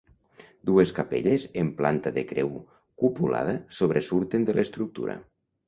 Dues capelles en planta de creu cupulada sobresurten de l'estructura.